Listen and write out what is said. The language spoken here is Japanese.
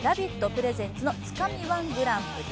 プレゼンツの「つかみ−１グランプリ」。